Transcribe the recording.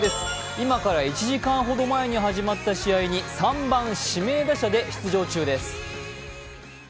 今から１時間ほど前に始まった試合に３番・指名打者で出場中です。